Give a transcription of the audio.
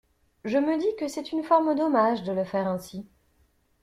Je me dis que c’est une forme d’hommage de le faire ainsi.